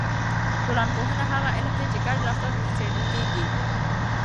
ټولنپوهنه هغه علم دی چې ګډ رفتار پکې څېړل کیږي.